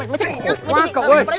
mày thấy khổ quá cậu ơi